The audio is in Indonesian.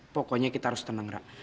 pokoknya kita harus tenang